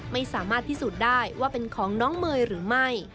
ไม่สามารถพิสูจน์ได้ว่าเป็นของน้องเมย์หรือไม่